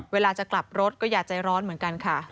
เวลาจะกลับรถก็อย่าใจร้อนเหมือนกันค่ะ